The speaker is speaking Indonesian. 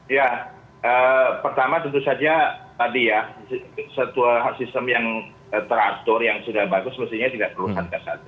ya pertama tentu saja tadi ya sebuah sistem yang teratur yang sudah bagus mestinya tidak perlu satgas satgas